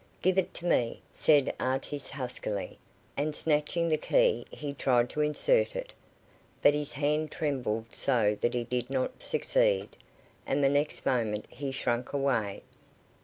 "Give it to me," said Artis huskily, and snatching the key he tried to insert it, but his hand trembled so that he did not succeed, and the next moment he shrank away.